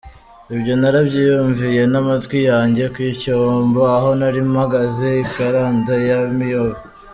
Ibyo narabyiyumviye n’amatwi yanjye ku icyombo aho nari mpagaze i Karenda ya Miyove!